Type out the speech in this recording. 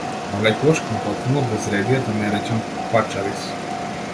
Навлекуваш кон тотално безредие, да не речам - пачариз!